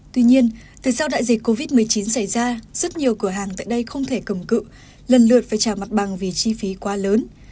tuy nhiên từ sau đại dịch covid một mươi chín xảy ra rất nhiều cửa hàng tại đây không thể cầm cự lần lượt phải trả mặt bằng vì chi phí quá lớn